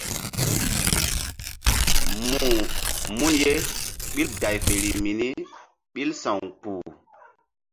Mun ye ɓil gay feri mini ɓil sa̧w kpuh.